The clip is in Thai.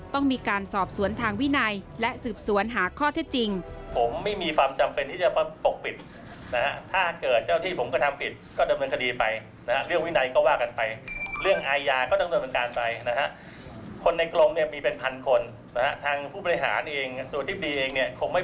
ต้องมีการสอบสวนทางวินัยและสืบสวนหาข้อเท็จจริง